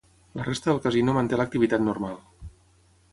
La resta del casino manté l'activitat normal.